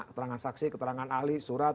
keterangan saksi keterangan ahli surat